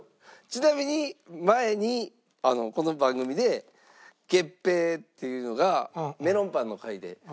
ちなみに前にこの番組で月餅っていうのがメロンパンの回で。